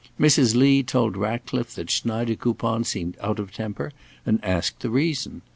Mrs. Lee told Ratcliffe that Schneidekoupon seemed out of temper, and asked the reason.